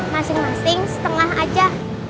masing masing setengah aja